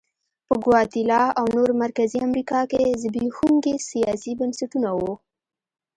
په ګواتیلا او نورو مرکزي امریکا کې زبېښونکي سیاسي بنسټونه وو.